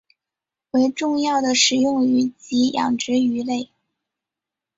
为重要的食用鱼及养殖鱼类。